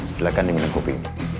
silahkan diminum kopi